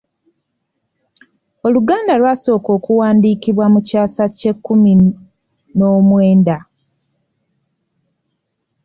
Oluganda lwasooka okuwandiikibwa mu kyasa ky’ekkumi n’omwenda.